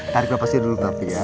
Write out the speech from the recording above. tarik bapak sini dulu